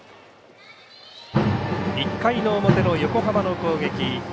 １回の表の横浜の攻撃。